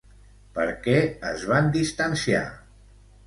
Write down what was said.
Per què es van distanciar?